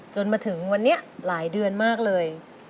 จนถึงวันนี้หลายเดือนมากเลย